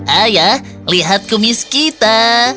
ayah lihat kumis kita